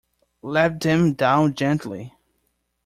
Let them down gently.